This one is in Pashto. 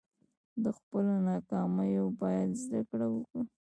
له خپلو ناکامیو باید زده کړه وکړو.